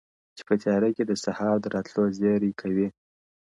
چي په تیاره کي د سهار د راتلو زېری کوي.